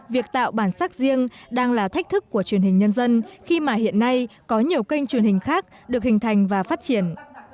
việc tạo bản sắc riêng đang là thách thức của truyền hình nhân dân khi mà hiện nay có nhiều kênh truyền hình khác được hình thành và phát triển